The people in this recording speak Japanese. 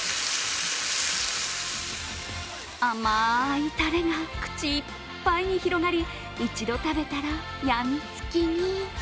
甘いたれが口いっぱいに広がり、一度食べたらやみつきに。